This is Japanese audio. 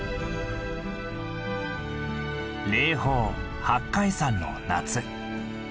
霊峰八海山の夏。